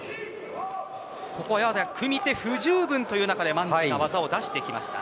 組み手不十分という中でマンジが技を出してきました。